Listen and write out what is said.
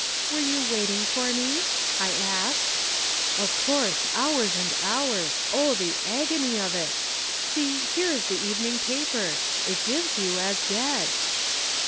"'Were you waiting for me?' I asked. "'Of course. Hours and hours. O the agony of it! See, here is the evening paper! It gives you as dead.'